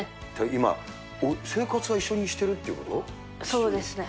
今、生活は一緒にしてるってそうですね。